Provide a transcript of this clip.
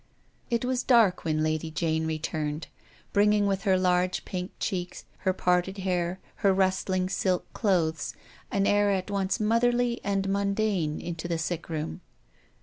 It was dark when Lady Jane returned, bringing, with her large, pink cheeks, her parted hair, her rustling silk clothes, an air at once motherly and mundane into the sick room.